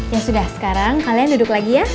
ya sudah sekarang kalian duduk lagi ya